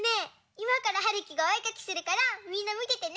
いまからはるきがおえかきするからみんなみててね！